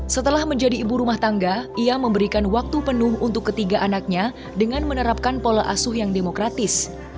setelah menjadi ibu rumah tangga ia memberikan waktu penuh untuk ketiga anaknya dengan menerapkan pola asuh yang demokratis